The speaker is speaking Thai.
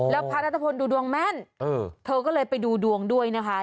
แล้วพระนัทพลดูดวงแม่นเธอก็เลยไปดูดวงด้วยนะคะ